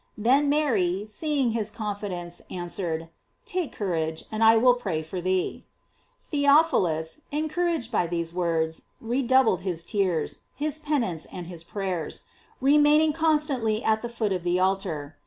Then Mary, seeing his confidence, answered, <; Take courage, and I will pray for thee." Theophilus, encouraged by these words, redoubled his tears, his penance, 198 GLORIES OF MARY. and his prayers, remaining constantly at the foot of the altar.